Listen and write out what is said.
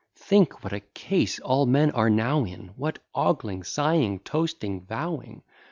Think what a case all men are now in, What ogling, sighing, toasting, vowing!